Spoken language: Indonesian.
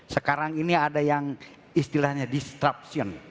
sekarang ini ada yang istilahnya disruption